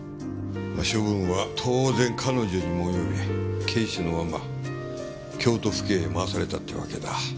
処分は当然彼女にも及び警視のまま京都府警へ回されたっていうわけだ。